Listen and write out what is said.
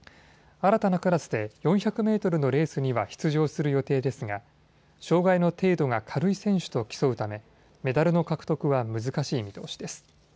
新たなクラスで４００メートルのレースには出場する予定ですが障害の程度が軽い選手と競うためメダルの獲得は難しい見通しです。